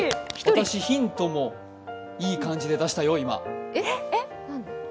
私、ヒントもいい感じで出したよ、今。